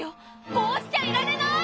こうしちゃいられない！